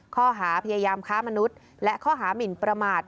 ข้อหาพยายามค้ามนุษย์และข้อหามินประมาท